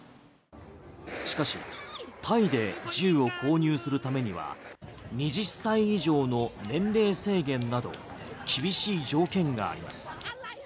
しかしタイで銃を購入するためには２０歳以上の年齢制限など厳しい条件があります。